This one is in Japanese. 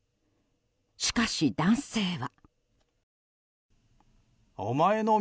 しかし、男性は。